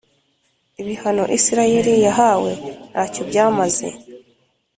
Ibihano Isirayeli yahawe nta cyo byamaze